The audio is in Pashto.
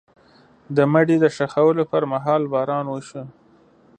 د مړي د ښخولو پر مهال باران وشو.